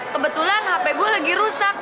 kebetulan hp gue lagi rusak